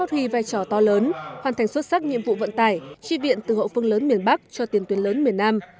hoàn thành xuất sắc nhiệm vụ vận tải truy viện từ hậu phương lớn miền bắc cho tiền tuyến lớn miền nam